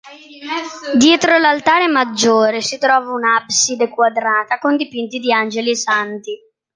Dietro l’altare maggiore si trova un’abside quadrata con dipinti di angeli e santi.